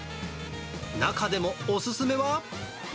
中でも、お勧めは。